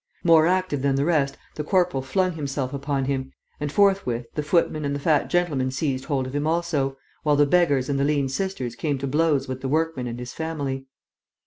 More active than the rest, the corporal flung himself upon him; and forthwith the footman and the fat gentleman seized hold of him also, while the beggars and the lean sisters came to blows with the workman and his family.